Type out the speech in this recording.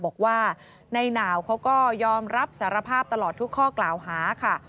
บอกว่าในหนาวเขาก็ยอมรับสารภาพตลอดทุกข้อกล่าวหาค่ะ